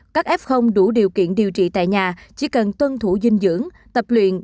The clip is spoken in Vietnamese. các f đủ điều kiện điều trị tại nhà chỉ cần tuân thủ dinh dưỡng tập luyện